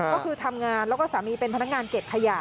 ก็คือทำงานแล้วก็สามีเป็นพนักงานเก็บขยะ